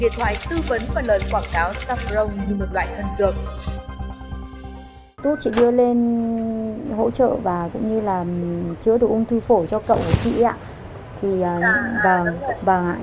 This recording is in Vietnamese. thuộc điện thoại tư vấn và lợn quảng cáo saffron như một loại hân dược